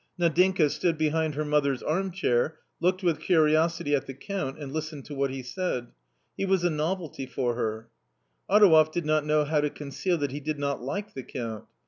Nadinka stood behind her mother's armchair, looked with curiosity at the Count and listened to what he said ; he was a novelty for her. Adouev did not know how to conceal, that he did not like the Count.